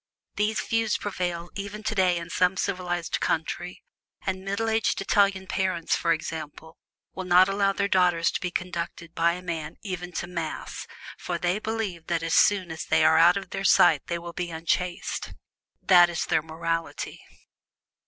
This view prevails even today in some civilized countries, and middle aged Italian parents, for instance, will not allow their daughters to be conducted by a man even to Mass, for they believe that as soon as they are out of their sight they will be unchaste. That is their morality.